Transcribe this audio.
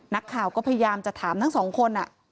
นักข่าวก็พยายามจะถามทั้งสองคน